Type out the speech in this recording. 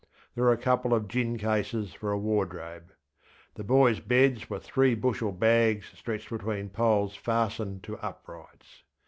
There were a couple of gin cases for a wardrobe. The boysŌĆÖ beds were three bushel bags stretched between poles fastened to uprights.